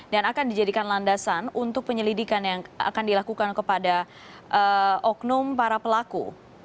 dan akan dijadikan landasan untuk penyelidikan yang akan dilakukan kepada oknum para pelaku